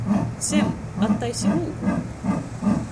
Sem, attaisi lūgu!